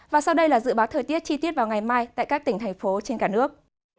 và sau đây là dự báo thời tiết chi tiết vào ngày mai tại các tỉnh thành phố trên cả nước